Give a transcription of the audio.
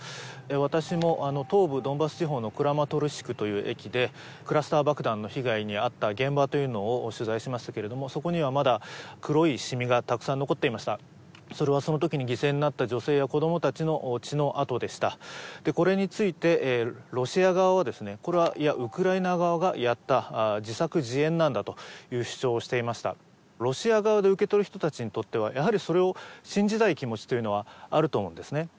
私も東部ドンバス地方のクラマトルシクという駅でクラスター爆弾の被害にあった現場というのを取材しましたけれどもそこにはまだ黒いシミがたくさん残っていましたそれはその時に犠牲になった女性や子どもたちの血の痕でしたでこれについてロシア側はですねこれはいやウクライナ側がやった自作自演なんだという主張をしていましたロシア側で受け取る人たちにとってはやはりそれを信じたい気持ちというのはあると思うんですね